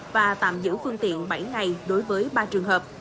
và tạm giữ phương tiện bảy ngày đối với ba trường hợp